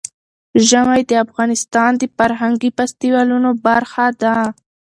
ژمی د افغانستان د فرهنګي فستیوالونو برخه ده.